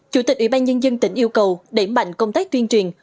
chủ tịch ủy ban nhân dân tỉnh yêu cầu đẩy mạnh công tác tuyên truyền